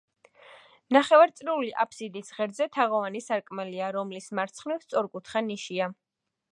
ნახევარწრიული აფსიდის ღერძზე თაღოვანი სარკმელია, რომლის მარცხნივ სწორკუთხა ნიშია.